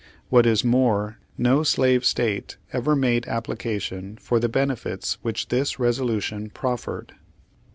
What is more, no slave State ever made application for the benefits which this resolution proffered.